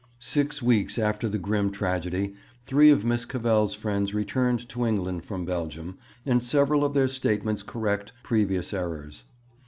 Six weeks after the grim tragedy three of Miss Cavell's friends returned to England from Belgium, and several of their statements correct previous errors.